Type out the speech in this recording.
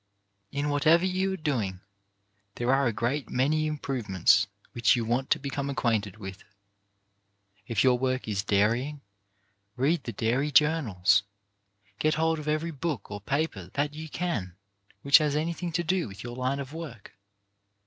In whatever you are doing, there are a great many improvements which you want to become acquainted with. If your work is dairying, read the dairy journals. Get hold of every book or paper that you can which has anything to do with your line of work.